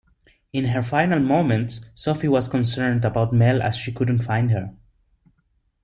In her final moments Sophie was concerned about Mel as she couldn't find her.